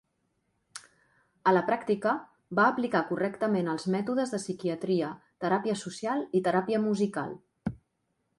A la pràctica, va aplicar correctament els mètodes de psiquiatria, teràpia social i teràpia musical.